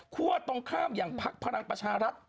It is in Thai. ตรงข้ามอย่างพักพลังประชารัฐ